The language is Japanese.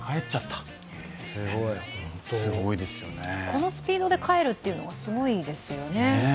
このスピードで還るというのはすごいですよね。